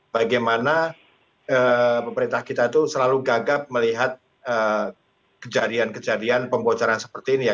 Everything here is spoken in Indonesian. bagaimana pemerintah kita itu selalu gagap melihat kejadian kejadian pembocoran seperti ini ya